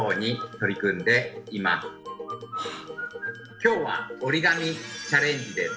今日は折り紙チャレンジです。